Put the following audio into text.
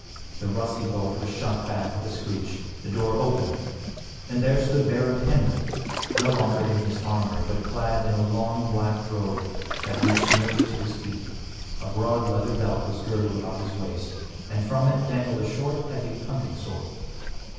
The rusty bolt was shot back with a screech, the door opened, and there stood Baron Henry, no longer in his armor, but clad in a long black robe that reached nearly to his feet, a broad leather belt was girdled about his waist, and from it dangled a short, heavy hunting sword.